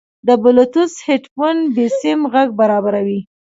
د بلوتوث هیډفون بېسیم غږ برابروي.